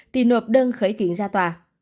thì nộp đơn khởi tiện ra tòa